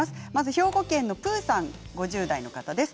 兵庫県の方から５０代の方です。